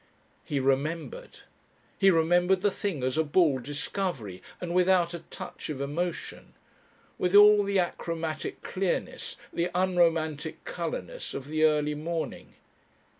He remembered. He remembered the thing as a bald discovery, and without a touch of emotion. With all the achromatic clearness, the unromantic colourlessness of the early morning....